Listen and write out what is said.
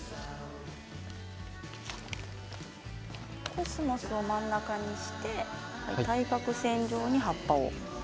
コスモスを真ん中にして対角線上に葉っぱを。